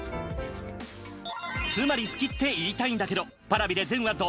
『つまり好きって言いたいんだけど、』。